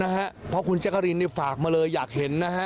นะฮะเพราะคุณแจ๊กกะรีนฝากมาเลยอยากเห็นนะฮะ